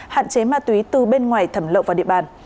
hạn chế ma túy từ bên ngoài thẩm lậu vào địa bàn